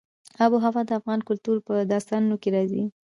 آب وهوا د افغان کلتور په داستانونو کې راځي.